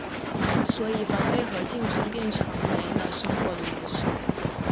所以防卫和竞争便成为了生活的模式。